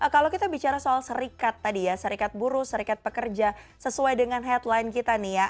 kalau kita bicara soal serikat tadi ya serikat buruh serikat pekerja sesuai dengan headline kita nih ya